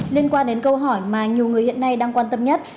liên quan đến câu hỏi mà nhiều người hiện nay đang quan tâm nhất